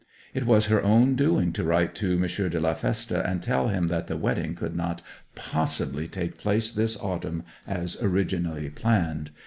It was her own doing to write to M. de la Feste and tell him that the wedding could not possibly take place this autumn as originally planned.